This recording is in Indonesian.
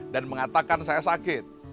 dan mengatakan saya sakit